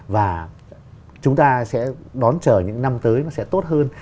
và chúng ta sẽ đón chờ những năm tới nó sẽ tốt hơn